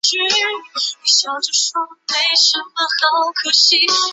厚皮多枝介为多枝介科多枝介属下的一个种。